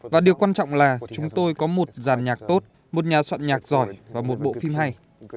và điều quan trọng là chúng tôi có một giàn nhạc tốt một nhà soạn nhạc giỏi và một bộ phim hay